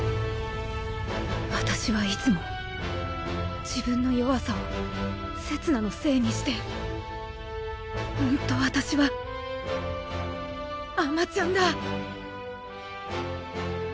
私はいつも自分の弱さをせつなのせいにしてホント私は甘ちゃんだ！